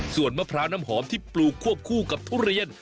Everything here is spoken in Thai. ส่วนมะพร้าวน้ำหอมที่ปลูกควบคู่กับทุเรียน